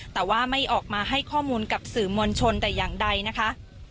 แต่ว่าไม่ออกมาให้ข้อมูลกับสื่อมวลชนแต่อย่างใดนะคะ